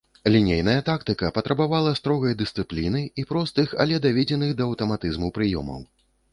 Лінейная тактыка патрабавала строгай дысцыпліны і простых, але даведзеных да аўтаматызму прыёмаў.